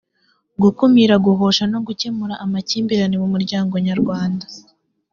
gukumira guhosha no gukemura amakimbirane mu muryango nyarwanda